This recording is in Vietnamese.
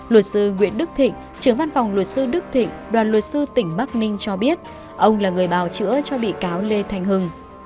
luật sư nguyễn đức thịnh trưởng văn phòng luật sư đức thịnh đoàn luật sư tỉnh bắc ninh cho biết ông là người bào chữa cho bị cáo lê thanh hưng